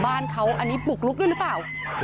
ตอนนี้ขอเอาผิดถึงที่สุดยืนยันแบบนี้